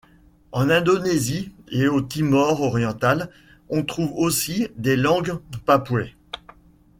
En Indonésie et au Timor oriental, on trouve aussi des langues papoues.